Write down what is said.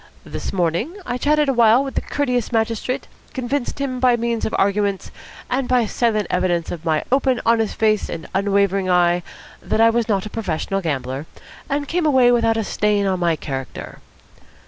This morning I chatted a while with the courteous magistrate, convinced him by means of arguments and by silent evidence of my open, honest face and unwavering eye that I was not a professional gambler, and came away without a stain on my character."